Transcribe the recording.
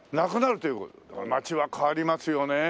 街は変わりますよね。